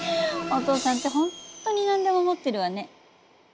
お父さんって本当に何でも持ってるわね。